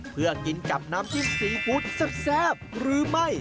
เพื่อกินกับน้ำจิ้มซีฟู้ดแซ่บหรือไม่